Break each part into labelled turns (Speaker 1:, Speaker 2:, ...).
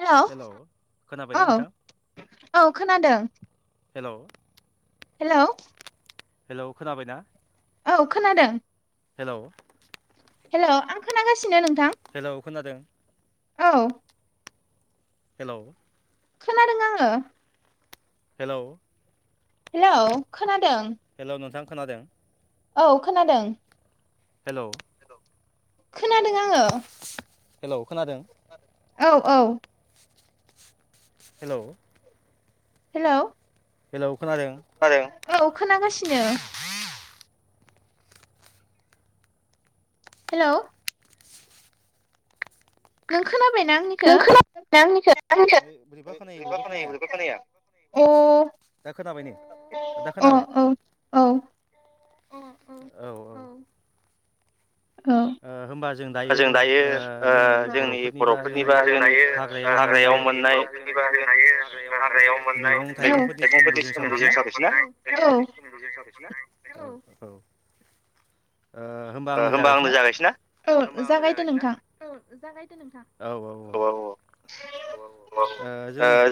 Speaker 1: Hello औ औ खोनादों
Speaker 2: हेलौ
Speaker 1: हेलौ
Speaker 2: हेलौ खोनाबायना
Speaker 1: औ खोनादों
Speaker 2: हेलौ
Speaker 1: हेलौ आं खोनागासिनो नों
Speaker 2: हेलौ खोनादों
Speaker 1: औ
Speaker 2: हेलौ
Speaker 1: खोनादों आंङो
Speaker 2: हेलौ
Speaker 1: हेलौ खोना
Speaker 2: हेलौ नोंथां खोनादों
Speaker 1: औ खोनादों
Speaker 2: हेलौ
Speaker 1: खोनादों आंङो
Speaker 2: हेलौ खोनादों
Speaker 1: औ औ
Speaker 2: हेलौ
Speaker 1: हेलौ‌ औ खोनागासिनो हेल'। नों खोना
Speaker 2: नों खोना आंनिखो बोरैबा खोनायो बोरैबा खोनाया। दा खोनाबाय नै दा खोनाबाय
Speaker 1: औ
Speaker 2: उ उ औ औ। ओ होमबा जों दायो ओ जोंनि बर'फोरनि बा जोंनि हाग्रायाव मोन हाग्रायाव मोननाय मैगं थाइगंफोरनि सोमोन्दै जों सावरायसैना। ददिसारना। [unintelligible] ओ होनबा आंनो जागायसै ना। होनोमबा आंनो जागायसै ना औ जागायदो नोंथां औ औ।
Speaker 1: [unintelligible] ओ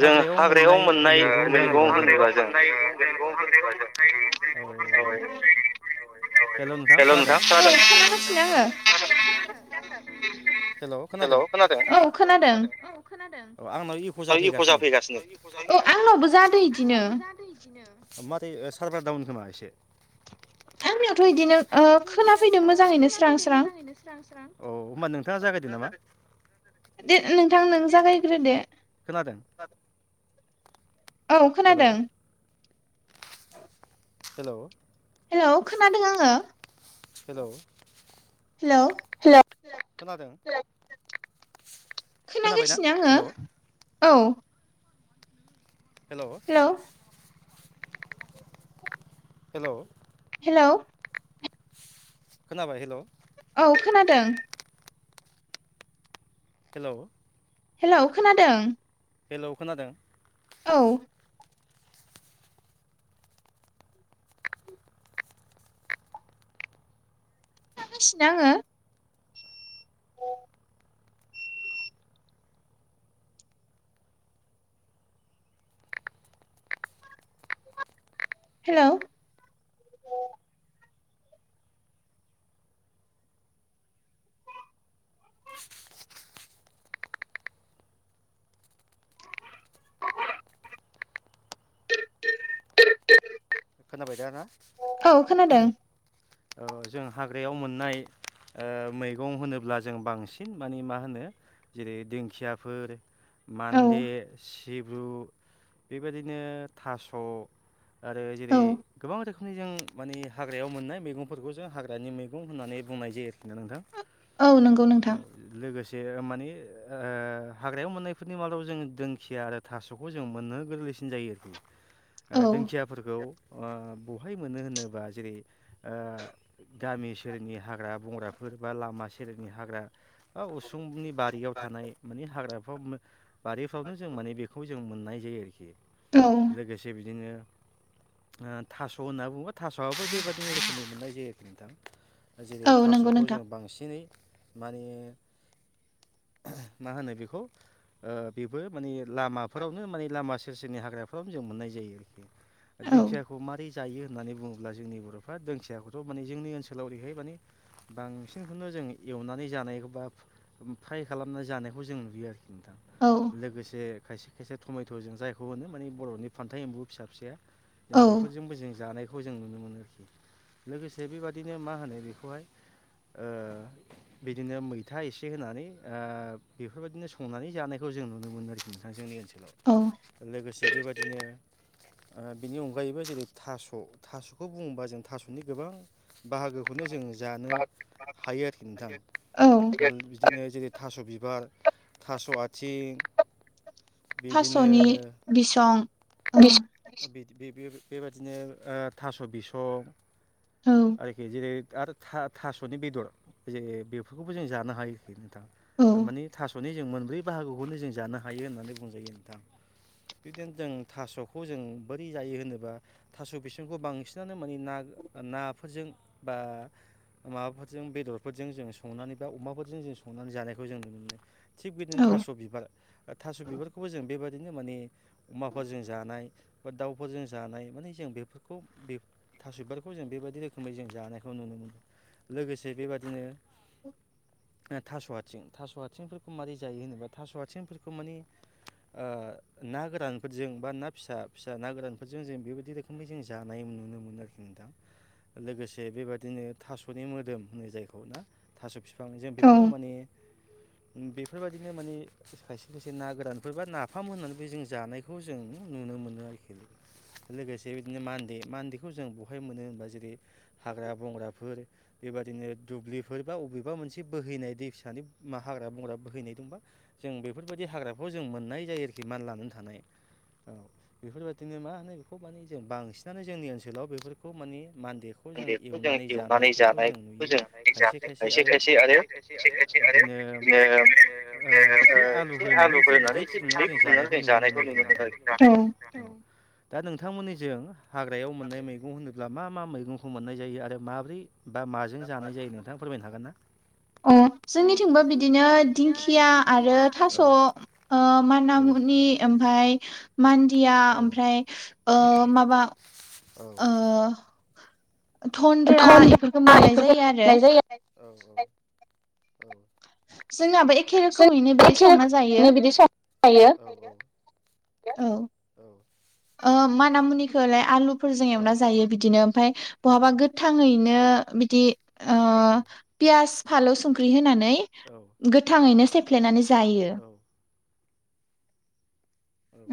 Speaker 1: जों हाग्रायाव मोननाय मैगं होनोबा जों। [unintelligible]
Speaker 2: हेल' नोंथां खोनादों।
Speaker 1: खांनागासिनो आङो।
Speaker 2: हेल' खोनादों हेल' खोनादों औ खोनादों औ आंनाव इक' जाफैगासिनो। आंनावबो इग इदिनो नो आंदि सारभारन दाउन खोमा एसे।
Speaker 1: आंनियावथ' बिदिनो ओ खोनाफैदों मोजाङैनो स्राय
Speaker 2: बै नोंनो जागायदों स्रां स्रां'औ होनबा नोंथांआ जागायदो नामा।
Speaker 1: दे नोंथां नों जागायग्रो दे।
Speaker 2: खोनादों।
Speaker 1: औ खोनादों।
Speaker 2: हेल'।
Speaker 1: हेल' खोनादों आङो।
Speaker 2: हेल' हेल' खोनादों।
Speaker 1: खोनागासिनो आङो औ।
Speaker 2: हेल' हेल'।
Speaker 1: हेल'।
Speaker 2: खोनाबाय हेल'।
Speaker 1: औ खोनादों।
Speaker 2: हेलौ।
Speaker 1: हेलौ खोनादों।
Speaker 2: हेलौ खोनादों।
Speaker 1: औ। खोनागासिनो आङो। [inaudible] हेल'। [inaudible]
Speaker 2: खोनाबाय दा ना। जों हाग्रायाव मोननाय मैगं होनोब्ला जों बांसिन माने मा होनो। जेरै दिंखियाफोर। मान्दे, सिब्रु बेबायदिनो थास'। आरो जेरै गोबां रोखोमनि जों माने हाग्रायाव मोननाय मैगं। जों हाग्रानि मैगं होननानै बुंनाय जायो आरोखि ना नोंथां औ लोगोसे। माने हाग्रायाव मोननायफोरनि मादाव जों दिंखिया आरो थास'खौ जों मोननो गोरलैयै। जायो आरो दिंखियाफोरखौ बहाय मोनो होनोबा जेरै
Speaker 1: [inaudible]
Speaker 2: गामि सेरनि हाग्रा बंग्राफोर बा लामा सेरनि हाग्रा बा उसुंनि बारियाव थानाय मानि हाग्राफ्राव ओ बारिफ्रावनो जों माने बेखौ जों मोननाय जायो आरोखि लोगोसे बिदिनो थास' होनना बुङोबा थास'आबो बेबदिनो रोखोमनि मोननाय जायो आरोखि नोंथां जेरै थास'खौ जों बांसिनै मानि मा होनो बेखौ ओ बेबो माने लामाफोरावनो मानि लामा सेर सेरनि हाग्राफोरावनो जों मोननाय जायो आरोखि। दिंखियाखौ मारै जायो होननानै बुङोब्ला जोंनि बर'फ्रा दोंखिया दिखियाखौथ' माने जोंनि ओनसोलाव ओरैहाय मानि बांसिनखौनो जों एवनानै जानाय बा फ्राइ खालामना जानायखौ जों नुयो आरोखि नोंथां लोगोसे खायसे खायसे टमेथ' जों जायखौ होनो माने बर'नि फानथाव एम्बु फिसा फिसाया जों बेफोरजोंबो जों जानायखौ जों नुनो मोनो आरोखि लोगोसे बेबादिनो मा होनो बेखौहाय बिदिनो मैथा एसे होनानै बेफोर बायदिनो संनानै जानायखौ खौ जों नुनो मोनो आरोखि नोंथां जोंनि ओनसोलाव लोगोसे बेबादिनो बिनि अनगायैबो जेरै थास' थास'खौ बुङोबा जों थास'नि गोबां बाहागोखौनो जोंङो जानो हायो आरोखि नोंथां बिदिनो जेरै थास' बिबार थास' आथिं
Speaker 1: थास'नि बिसं
Speaker 2: बेबायदिनो थास' बिसं आरोखि जेरै आरो था थास'नि बेदर जे बेफोरखौबो जों जानो हायो आरोखि नोंथां मानि थास'नि जों मोनब्रै बाहागोखौनो जों जानो हायो होननानै बुंजायो नोंथां बेदिनो जों थास'खौ जों बोरै जायो होनोब्ला थास' बिसंखौ बांसिनानो माने ना नाफोरजों बा माबाफोरजों बेदरफोरजों जों संनानै बा अमाफोरजों जों संनानै जानायखौ जों नुनो मोनो थिग बिदिनो थास' बिबार थास' बिबारखौबो जों बेबायदिनो माने अमा जों जानाय बा दाउफोरजों जानाय माने जों बेफोरखौ बे थास' बिबारखौ जों बेबायदि रोखोमै जों जानायखौ नुनो मोनदों लोगोसे बेबादिनो थास' आथिं थास' आथिंफोरखौ माबारै जायो होनोबा थास' आथिंफोरखौ मानि ओ ना गोरान फोरजों बा ना फिसा फिसा ना गोरानफोरजों जों बेबायदि रोखोमै जों जानाय नुनो मोनो आरोखि नोंथां लोगोसे बिबादिनो थास'नि मोदोम होनो जायखौ ना थास' बिफां जों बेखौबो माने बेफोर बायदि बिदिनो माने खायसे खायसे ना गोरानफोर बा नाफाम होनानैबो जों जानायखौ बेखौ जों नुनो मोनो आरोखि लोगोसे बिदिनो मानदे मानदेखौ जों बहाय मोनो होनबा जेरै हाग्रा बंग्राफोर बेबायदिनो दुब्लिफोर बा बबेबा मोनसे बोहैनाय दै फिसानि मा हाग्रा बंग्रा बोहैनाय दंबा जों बेफोरबायदि हाग्राखौ जों मोननाय जायो आरोखि मान लानानै थानाय औ बेफोरबायदिनो मा होनो बेखौ माने जों बांसिनानो जोंनि ओनसोलाव बेफोरखौ माने मान्देखौ जों एवनानै जानायफोरखौ जों नुयो जानाय खायसे खायसे आरो खायसे खायसे आरो [inaudible] बिदिनो एसे आलु होनानै एसे बिदै फुदुंनानै जों जानायखौ नुनो मोनो आरो जों [inaudible] दा नोंथांमोननि जों हाग्रायाव मोननाय मैगं होनोब्ला मा मा मैगंखौ मोननाय जायो आरो माब्रै बा माजों जानाय जायो नोंथांआ फोरमायनो हागोन ना?
Speaker 1: ओ जोंनिथिंबा बिदिनो दिंखिया आरो थास' माना मु मुनि आमफाइ मानदिया ओमफ्राय ओ माबा ओ तन्द्रा इफोरखौ मोननाय जायो आरो
Speaker 2: [inaudible]
Speaker 1: जोंनाबो एखे रोखोमैनो बिदि संना जायो। औ माना मुनिखौलाय आलुफोरजों एवना जायो बिदिनो ओमफ्राय बहाबा गोथाङैनो बिदि ओ पियास फालौ संख्रि होनानै गोथाङैनो सेफ्लेनानै जायो।
Speaker 2: औ।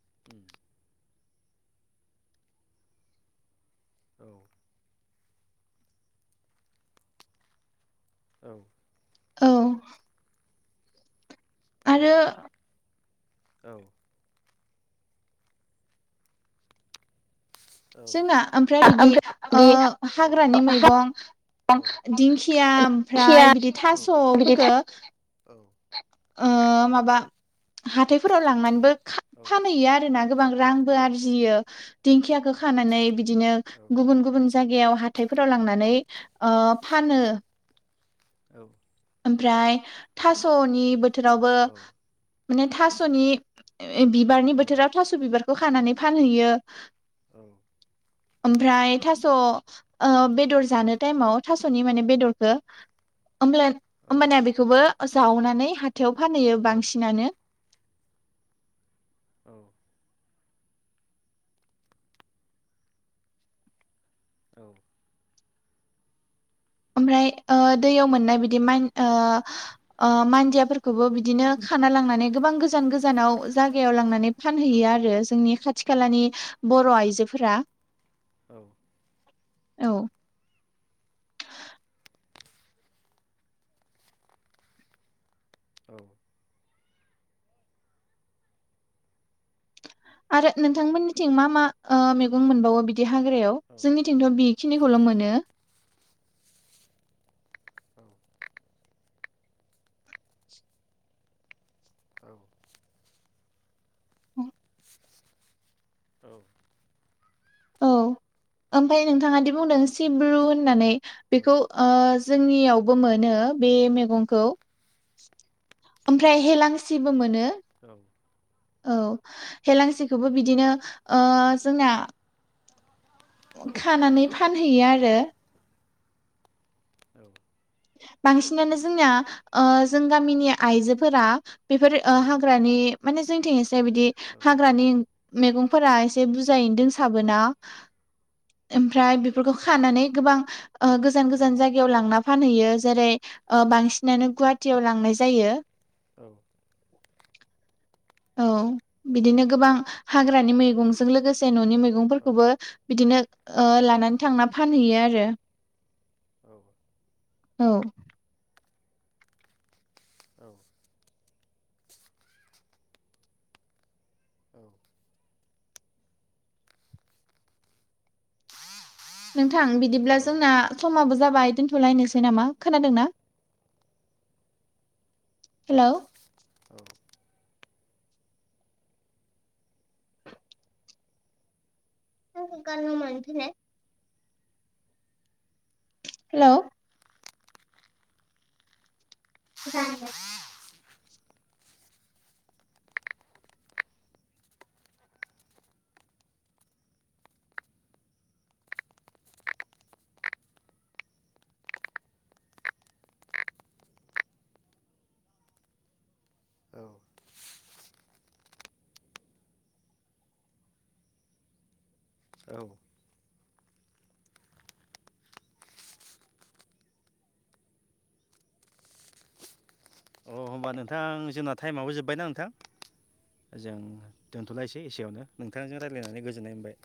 Speaker 2: [unintelligible] औ। औ।
Speaker 1: औ। आरो
Speaker 2: औ।
Speaker 1: जोंना ओमफ्राय बिदि ओ हाग्रानि मैगं दिंखिया ओमफ्राय बिदि थास' फोरखो ओ माबा हाथायफोराव लांनानैबो फानहैयो आरोना। गोबां रांबो आरजियो दिंखियाखौ खानानै बिदिनो गुबुन गुबुन जा जायगायाव हाथायफोराव लांनानै ओ फानो।
Speaker 2: औ।
Speaker 1: ओमफ्राय थास'नि बोथोरावबो माने थास'नि बिबारनि बोथोरा थास' बिबारखौ खानानै फानहैयो।
Speaker 2: औ।
Speaker 1: ओमफ्राय थास' ओ बेदर जानो टाइमाव थास'नि माने बेदरखौ होमबाना बेखौबो जावनानै ह थायाव फानहैयो बांसिनानो।
Speaker 2: औ। औ।
Speaker 1: ओमफ्राय ओ दैयाव मोननाय बिदि मायन ओ ओ मानदियाफोरखौबो बिदिनो खाना लांनानै गोबां गोजान गोजानाव जायगायाव लांनानै फानहैयो आरो जोंनि खा थि खालानि बर' आइजोफोरा
Speaker 2: औ।
Speaker 1: औ।
Speaker 2: औ।
Speaker 1: आरो नोंथांमोननिथिं मा मा ओ मैगं मोनबावो बिदि हाग्रायाव जोंनिथिंथ' बि खिनिखौल' मोनो। औ। ओमफाय नोंथाङा दि बुंदों सिब्रु होननानै बेखौ ओ जोंनियावबो मोनो बे मैगंखौ ओमफ्राय हेलांसिबो मोनो औ हेेलांसिखौबो बिदिनो ओ जोंना खानानै फानहैयो आरो
Speaker 2: औ।
Speaker 1: बांसिनानो जोंनिया ओ जों गामिनि आइजोफोरा बेफोर ओ हाग्रानि माने जोंथिं एसे बिदि हाग्रानि मैगंफोरा एसे बुजायैनो दोंसाबोना ओमफ्राय बेफोरखौ खानानै गोबां ओ गोजान गोजान जायगायाव लांना फानहैयो जेरै ओ बांसिनानो गुवा टियाव लांनाय जायो।
Speaker 2: औ।
Speaker 1: औ बिदिनो गोबां हाग्रानि मैगंजों लोगोसे न'नि मैगंफोरखौबो बिदिनो ओ लानानै थांना फानहैयो आरो
Speaker 2: औ।
Speaker 1: औ।
Speaker 2: औ। औ।
Speaker 1: नोंथां बिदिब्ला जोंना समाबो जाबाय दोन्थ'लायनोसै नामा खोनादों ना। हेलौ। [inaudible] हेलौ। [inaudible]
Speaker 2: औ। औ। अ होमबा नोंथां जोंना टाइमाबो जोब्बायना नोंथां। जों दोनथ'लायसै एसेयावनो नोंथांजों रायज्लायनानै गोजोननाय मोनबाय।